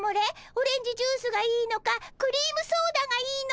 オレンジジュースがいいのかクリームソーダがいいのか。